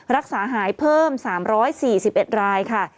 รักษาหายเพิ่ม๓๔๑รายค่ะ